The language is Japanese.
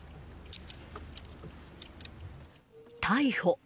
逮捕！